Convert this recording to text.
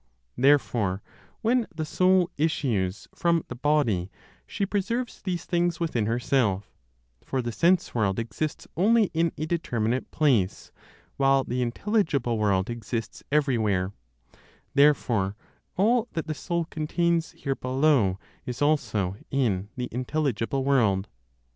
Therefore when the soul issues from the body, she preserves these things within herself; for the sense world exists only in a determinate place, while the intelligible world exists everywhere; therefore all that the soul contains here below is also in the intelligible world.